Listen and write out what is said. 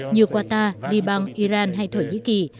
như qatar liban iran hay thổ nhĩ kỳ